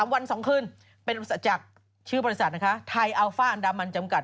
๓วัน๒คืนจากชื่อบริษัทไทยอัลฟ่าอันดำมันจำกัด